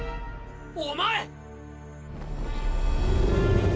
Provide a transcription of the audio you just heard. お前！！